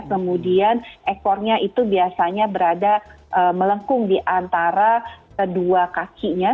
kemudian ekornya itu biasanya berada melengkung di antara kedua kakinya